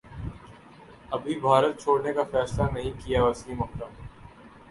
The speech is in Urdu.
ابھی بھارت چھوڑنے کافیصلہ نہیں کیا وسیم اکرم